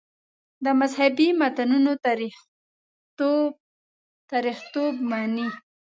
د مذهبي متنونو تاریخیتوب مني.